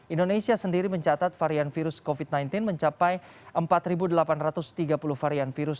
indonesia sendiri mencatat varian virus covid sembilan belas mencapai empat delapan ratus tiga puluh varian virus